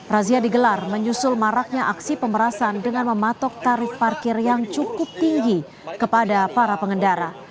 razia digelar menyusul maraknya aksi pemerasan dengan mematok tarif parkir yang cukup tinggi kepada para pengendara